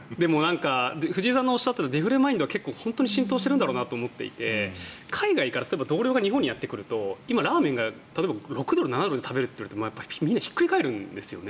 藤井さんのおっしゃったデフレマインドが本当に浸透しているんだなと思っていて海外から例えば、同僚が日本にやってくると今ラーメンが６ドル７ドルで食べられるといわれるとみんなひっくり返るんですね。